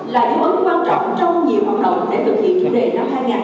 là ưu ấn quan trọng trong nhiều hoạt động